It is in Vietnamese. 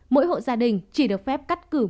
mỗi hộ gia đình chỉ được phép cắt cử